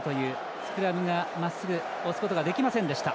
スクラムをまっすぐ押すことができませんでした。